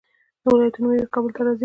د ولایتونو میوې کابل ته راځي.